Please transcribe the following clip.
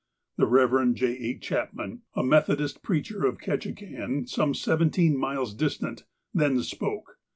The Rev. J. A. Chapman, the Methodist preacher of Ketchikan, some seventeen miles distant, then spoke.